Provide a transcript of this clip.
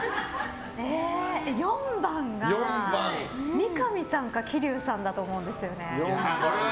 ４番が三上さんか桐生さんだと思うんですよね。